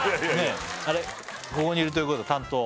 ここにいるということは担当？